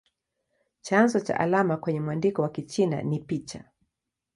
Chanzo cha alama kwenye mwandiko wa Kichina ni picha.